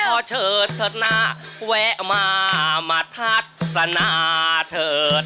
พอเชิญเถอะนะแวะมามาทัศนเถอะเถอิย